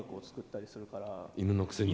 犬のくせに。